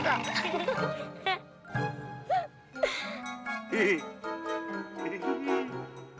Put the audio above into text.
hei jangan berpakaian gimana